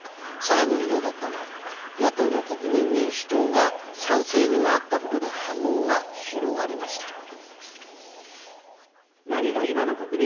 更に異例だったのは、野党の国民民主党が賛成に回ったことで波紋が広がりました。